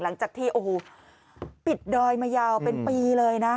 หลังจากที่โอ้โหปิดดอยมายาวเป็นปีเลยนะ